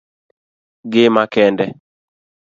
gima kende